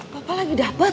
papa lagi dapet